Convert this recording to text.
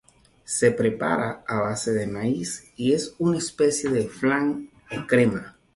Se prepara a base de maíz y es una especie de flan o crema.